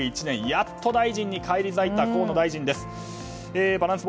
やっと大臣に返り咲いた河野大臣エス。